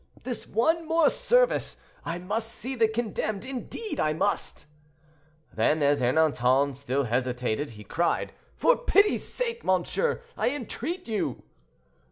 "This one more service; I must see the condemned, indeed I must." Then, as Ernanton still hesitated, he cried, "For pity's sake, monsieur, I entreat you."